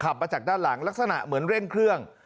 มาจากด้านหลังลักษณะเหมือนเร่งเครื่อง